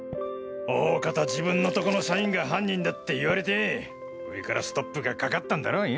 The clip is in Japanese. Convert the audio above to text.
おおかた自分のとこの社員が犯人だって言われて上からストップがかかったんだろうよ。